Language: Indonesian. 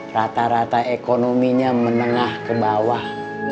rata rata ekonominya menengah kebawah